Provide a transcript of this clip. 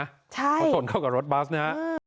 ใช่ประสงค์เข้ากับรถบัสนะ